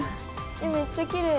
えっめっちゃきれい。